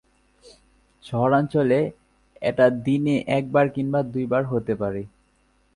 শহরাঞ্চলে, এটা দিনে একবার কিংবা দুইবার হতে পারে।